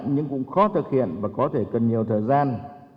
nhưng cũng khó thực hiện và có thể cần nhiều thời gian